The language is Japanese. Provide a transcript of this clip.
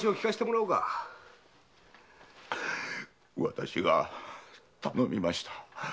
私が頼みました。